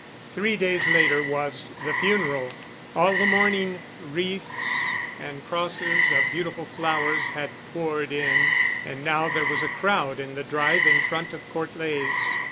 Three days later was the funeral. All the morning wreaths and crosses of beautiful flowers had poured in, and now there was a crowd in the drive in front of Court Leys.